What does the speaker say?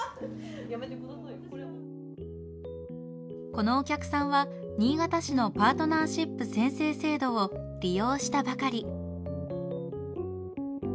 このお客さんは新潟市のパートナーシップ宣誓制度を利用したばかり。